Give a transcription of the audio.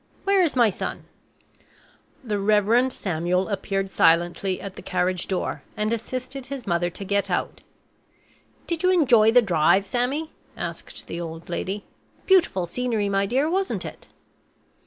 Where is my son?" The Reverend Samuel appeared silently at the carriage door, and assisted his mother to get out ("Did you enjoy the drive, Sammy?" asked the old lady. "Beautiful scenery, my dear, wasn't it?")